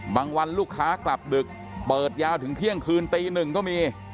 วันลูกค้ากลับดึกเปิดยาวถึงเที่ยงคืนตีหนึ่งก็มี